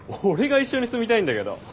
俺が一緒に住みたいんだけど。